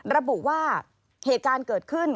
ระบุว่าเหตุการณ์เกิดขึ้น